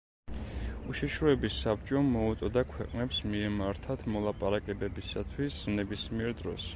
უშიშროების საბჭომ მოუწოდა ქვეყნებს მიემართათ მოლაპარაკებებისათვის ნებისმიერ დროს.